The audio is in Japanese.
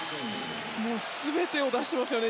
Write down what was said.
もう全てを出していますね